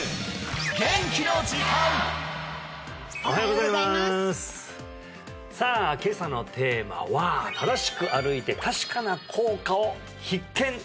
おはようございますさあ今朝のテーマは正しく歩いて確かな効果を「必見！